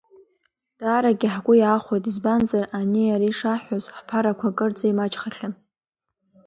Даарагьы ҳгәы иаахәеит, избанзар, ани-ари шаҳҳәоз ҳԥарақәа кырӡа имаҷхахьан.